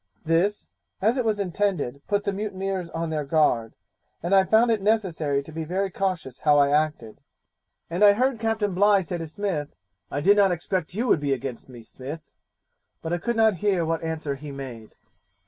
This, as it was intended, put the mutineers on their guard, and I found it necessary to be very cautious how I acted; and I heard Captain Bligh say to Smith, "I did not expect you would be against me, Smith"; but I could not hear what answer he made.'